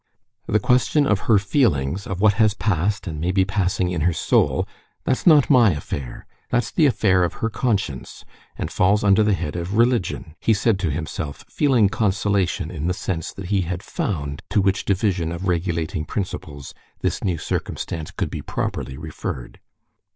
"The question of her feelings, of what has passed and may be passing in her soul, that's not my affair; that's the affair of her conscience, and falls under the head of religion," he said to himself, feeling consolation in the sense that he had found to which division of regulating principles this new circumstance could be properly referred.